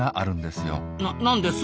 な何です？